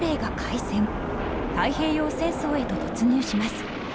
太平洋戦争へと突入します。